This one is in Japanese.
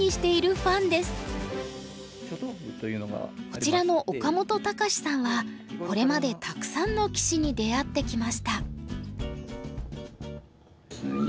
こちらの岡本隆志さんはこれまでたくさんの棋士に出会ってきました。